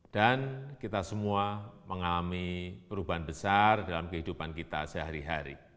dan kita semua mengalami perubahan besar dalam kehidupan kita sehari hari